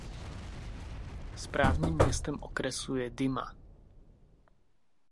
Správním městem okresu je Dumas.